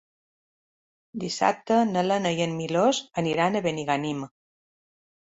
Dissabte na Lena i en Milos aniran a Benigànim.